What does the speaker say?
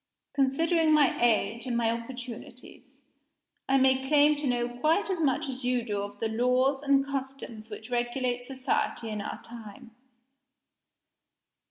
Considering my age and my opportunities, I may claim to know quite as much as you do of the laws and customs which regulate society in our time.